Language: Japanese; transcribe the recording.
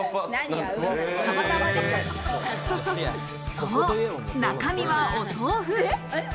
そう、中身はお豆腐。